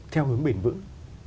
theo hướng bền vững